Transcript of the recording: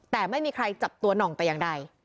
แต่ไม่มีใครจับตัวหน่องแต่อย่างใด